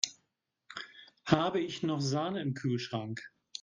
Habe ich noch Sahne im Kühlschrank?